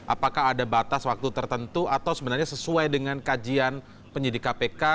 apakah ada batas waktu tertentu atau sebenarnya sesuai dengan kajian penyidik kpk